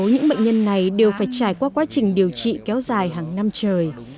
đa số những bệnh nhân này đều phải trải qua quá trình điều trị kéo dài hàng năm trời